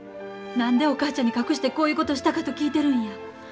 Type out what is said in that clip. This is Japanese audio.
何でお母ちゃんに隠してこういうことしたかと聞いてるんや。